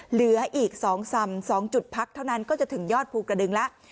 เหลืออีก๒จุดพักเท่านั้นก็จะถึงยอดภูกระดึงแล้ว